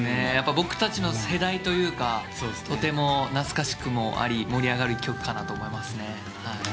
僕たちの世代というかとても懐かしくもあり盛り上がる曲かなと思います。